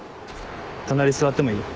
隣座ってもいい？